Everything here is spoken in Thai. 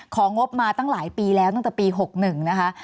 งบมาตั้งหลายปีแล้วตั้งแต่ปี๖๑นะคะ